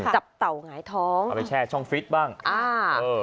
เต่าหงายท้องเอาไปแช่ช่องฟิตบ้างอ่าเออ